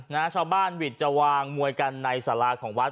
นะเจ้าบ้านหี่จาวางมวยกันในสาราของวัสดิ์